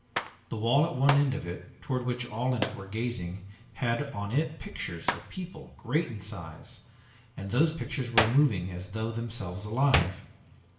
The wall at one end of it, toward which all in it were gazing, had on it pictures of people, great in size, and those pictures were moving as though themselves alive!